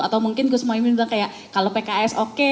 atau mungkin gus mohaimin bilang kayak kalau pks oke